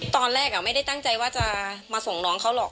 ตอนแรกไม่ได้ตั้งใจว่าจะมาส่งน้องเขาหรอก